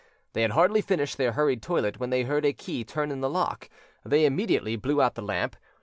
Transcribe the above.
They had hardly finished their hurried toilette when they heard a key turn in the lock: they immediately blew out the lamp.